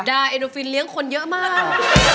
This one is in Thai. เอ็นโอฟินเลี้ยงคนเยอะมาก